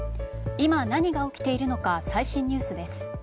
今何が起きているのか最新ニュースです。